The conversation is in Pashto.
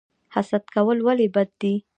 حسد کول ولې بد دي؟